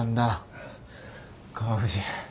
川藤。